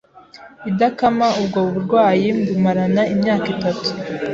idakama ubwo burwayi mbumarana imyaka itatu,